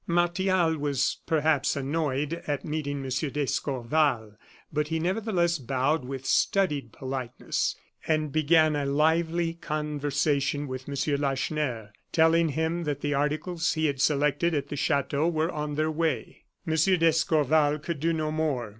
Martial was, perhaps, annoyed at meeting M. d'Escorval; but he nevertheless bowed with studied politeness, and began a lively conversation with M. Lacheneur, telling him that the articles he had selected at the chateau were on their way. M. d'Escorval could do no more.